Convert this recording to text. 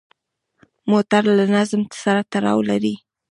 موټر له نظم سره تړاو لري.